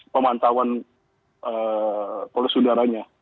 pemantauan polis udaranya